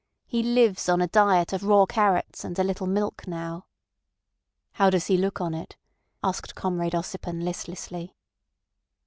He lives on a diet of raw carrots and a little milk now." "How does he look on it?" asked Comrade Ossipon listlessly.